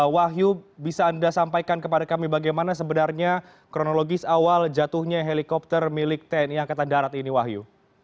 wahyu bisa anda sampaikan kepada kami bagaimana sebenarnya kronologis awal jatuhnya helikopter milik tni angkatan darat ini wahyu